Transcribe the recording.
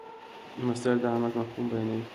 مصدر د عمل مفهوم بیانوي.